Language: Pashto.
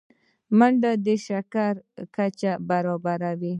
منډه د شکر کچه برابروي